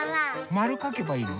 まるかけばいいの？